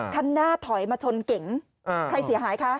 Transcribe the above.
คันหน้าถอยมาชนเก๋งใครเสียหายคะ